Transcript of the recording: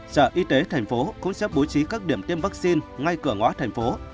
sở y tế tp hcm cũng sẽ bố trí các điểm tiêm vaccine ngay cửa ngó tp hcm